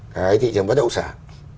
cái thị trường bất động sản